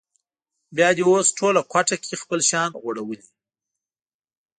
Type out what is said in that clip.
بیا دې اوس ټوله کوټه کې خپل شیان غوړولي.